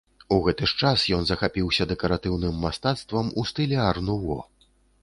У гэты ж час ён захапіўся дэкаратыўным мастацтвам ў стылі ар-нуво.